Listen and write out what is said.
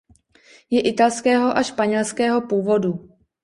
Je italského a španělského původu.